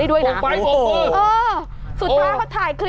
โอ้โหโอ้โห